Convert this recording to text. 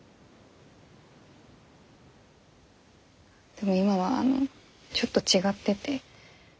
でも今はあのちょっと違ってて。